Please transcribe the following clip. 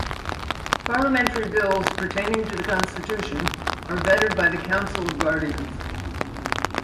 Parliamentary bills pertaining to the constitution are vetted by the Council of Guardians.